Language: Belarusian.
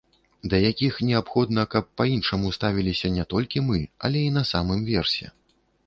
Да якіх неабходна, каб па-іншаму ставіліся не толькі мы, але і на самым версе.